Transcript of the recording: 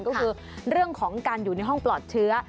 ก็คือเรื่องของการอยู่ในห้องปลอดเชื้อ